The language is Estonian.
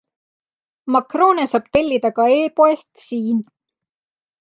Makroone saab tellida ka e-poest SIIN!